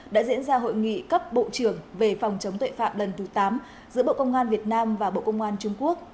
bộ trưởng về phòng chống tội phạm lần thứ tám giữa bộ công an việt nam và bộ công an trung quốc